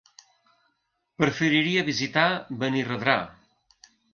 Preferiria visitar Benirredrà.